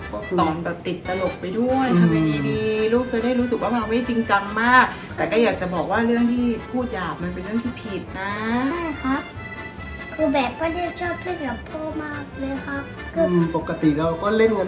ก็สอนติดตลกไปด้วยทำให้ดีลูกจะได้รู้สึกว่ามันไม่จริงจังมาก